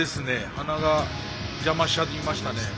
鼻が邪魔しちゃいましたね。